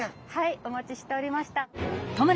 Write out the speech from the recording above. お待ちしておりました。